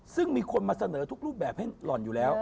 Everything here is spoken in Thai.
ซึ่งมีคนมาเสนอทุกรูปแบบให้หล่อนอยู่แล้ว